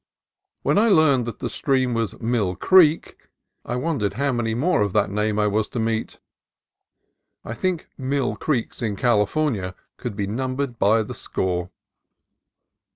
When I learned that the stream was Mill Creek, I wondered how many more of that name I was to meet. I think Mill Creeks in California could be numbered by the score.